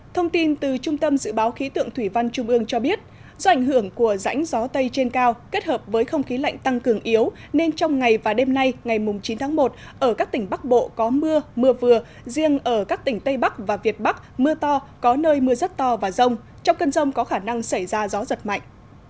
thông tin từ trung tâm dự báo khí tượng thủy văn trung ương cho biết do ảnh hưởng của rãnh gió tây trên cao kết hợp với không khí lạnh tăng cường yếu nên trong ngày và đêm nay ngày chín tháng một ở các tỉnh bắc bộ có mưa mưa vừa riêng ở các tỉnh tây bắc và việt bắc mưa to có nơi mưa rất to và rông trong cơn rông có khả năng xảy ra gió giật mạnh